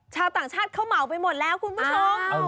ชาวต่างชาติเขาเหมาไปหมดแล้วคุณผู้ชม